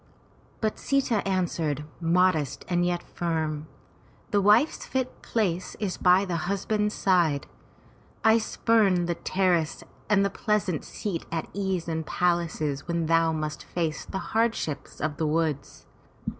But Sita answered, modest and yet firm, "The wife's fit place is by the husband's side. I spurn the terrace and the pleasant seat at ease in palaces when thou must face the hardships of the woods.